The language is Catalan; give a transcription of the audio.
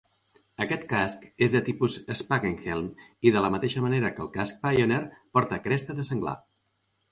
Aquest casc és de tipus Spangenhelm i, de la mateixa manera que el casc Pioneer, porta cresta de senglar.